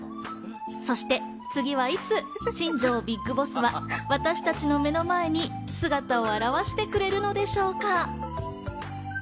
そして次はいつ新庄ＢＩＧＢＯＳＳは私たちの目の前に姿を現してくれるのでしょうか。